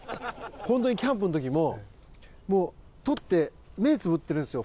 本当にキャンプの時ももう捕って目つぶってるんですよ